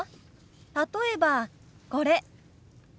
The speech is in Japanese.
例えばこれ。